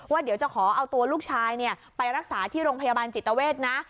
เดี๋ยวจะขอเอาตัวลูกชายไปรักษาที่โรงพยาบาลจิตเวทนะ